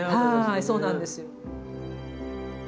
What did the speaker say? はいそうなんですよ。